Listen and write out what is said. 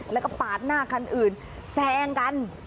และปาดหน้ากันอื่นแซงกัน